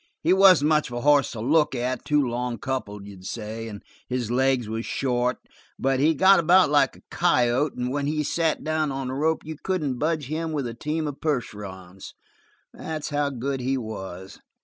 He wasn't much of a hoss to look at, too long coupled, you'd say, and his legs was short, but he got about like a coyote and when he sat down on a rope you couldn't budge him with a team of Percherons. That's how good he was!